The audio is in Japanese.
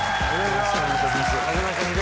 よろしくお願いします